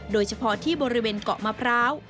โดยเฉพาะที่บริเวณเกาะมะพร้าว